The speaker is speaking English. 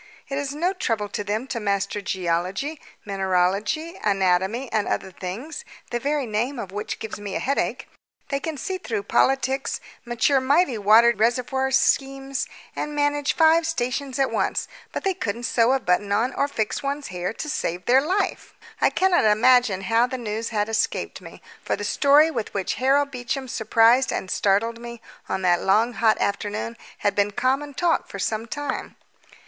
It is no trouble to them to master geology, mineralogy, anatomy, and other things, the very name of which gives me a headache. They can see through politics, mature mighty water reservoir schemes, and manage five stations at once, but they couldn't sew on a button or fix one's hair to save their life." I cannot imagine how the news had escaped me, for the story with which Harold Beecham surprised and startled me on that long hot afternoon had been common talk for some time.